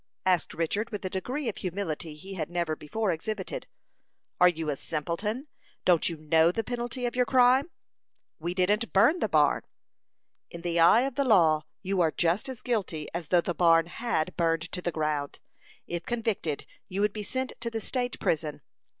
asked Richard, with a degree of humility he had never before exhibited. "Are you a simpleton? Don't you know the penalty of your crime?" "We didn't burn the barn." "In the eye of the law you are just as guilty as though the barn had burned to the ground. If convicted, you would be sent to the state prison.